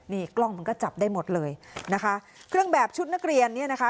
นี่กล้องมันก็จับได้หมดเลยนะคะเครื่องแบบชุดนักเรียนเนี่ยนะคะ